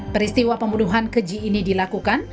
peristiwa pembunuhan keji ini dilakukan